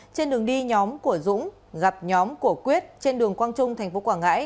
trên đường đi nhóm của dũng gặp nhóm của quyết trên đường quang trung tp quảng ngãi